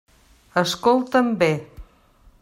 Escolta'm bé.